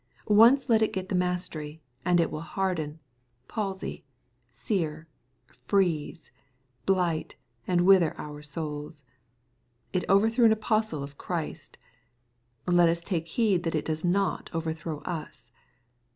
Once let it get the masteiy, and it wiU harden, paby, Bear, freeze, blight, and wither our souls, (it overthrew an apostle of Christ} Let us take heed that it does not overthrow us.